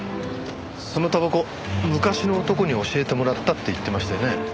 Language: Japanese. そのたばこ昔の男に教えてもらったって言ってましたよね？